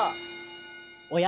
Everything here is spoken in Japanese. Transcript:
おや？